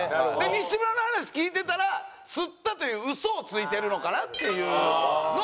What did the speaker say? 西村の話聞いてたらスッたというウソをついてるのかなっていうのも。